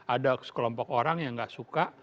ada sekelompok orang yang nggak suka